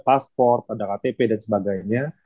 pasport ada ktp dan sebagainya